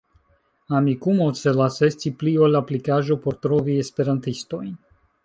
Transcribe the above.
Amikumu celas esti pli ol aplikaĵo por trovi Esperantistojn.